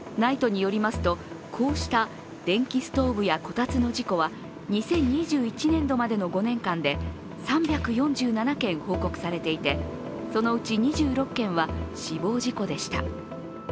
ＮＩＴＥによりますとこうした電気ストーブやこたつの事故は２０２１年度までの５年間で３４７件報告されていてそのうち２６件は死亡事故でした。